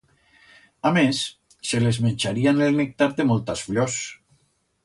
Amés, que se les mencharían el néctar de moltas fllors.